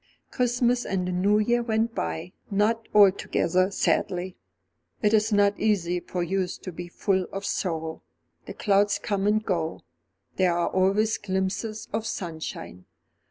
Christmas and the New Year went by, not altogether sadly. It is not easy for youth to be full of sorrow. The clouds come and go, there are always glimpses of sunshine.